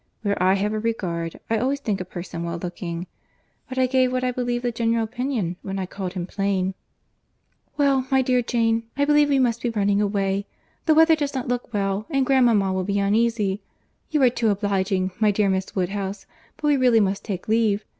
Where I have a regard, I always think a person well looking. But I gave what I believed the general opinion, when I called him plain." "Well, my dear Jane, I believe we must be running away. The weather does not look well, and grandmama will be uneasy. You are too obliging, my dear Miss Woodhouse; but we really must take leave.